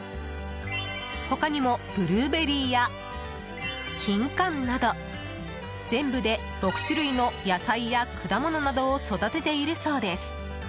他にもブルーベリーやキンカンなど全部で６種類の野菜や果物などを育てているそうです。